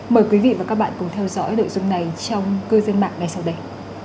mời quý vị và các bạn cùng theo dõi nội dung này trong cư dân mạng ngày sau đây